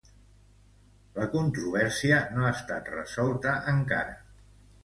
La controvèrsia no ha estat resolta encara.